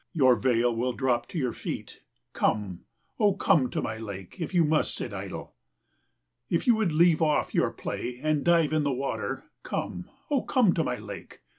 Your veil will drop to your feet. Come, O come to my lake if you must sit idle. If you would leave off your play and dive in the water, come, O come to my lake.